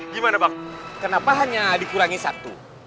gimana bang kenapa hanya dikurangi satu